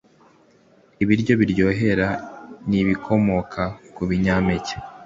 ibiryo biryohera n’ibikomoka ku binyampeke